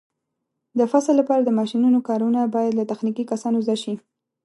د فصل لپاره د ماشینونو کارونه باید له تخنیکي کسانو زده شي.